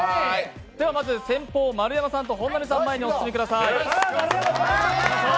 まず先ぽう、丸山さんと本並さん前にお進みください。